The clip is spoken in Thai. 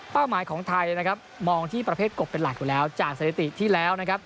เป้ามายของไทยมองที่ประเภทกบเป็นหลักอยู่แล้วจากเสด็ติที่แล้ว